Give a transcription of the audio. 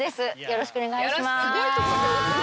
よろしくお願いします。